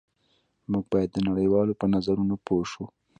موږ باید د نړۍ والو په نظرونو پوه شو